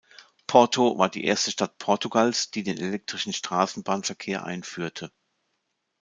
Porto war die erste Stadt Portugals, die den elektrischen Straßenbahnverkehr einführte.